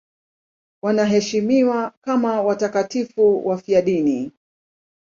Wanaheshimiwa kama watakatifu wafiadini.